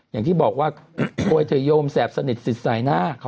อย่างที่บอกว่าโอ้ยเถอะโยมแสบสนิทสิทธิ์สายหน้า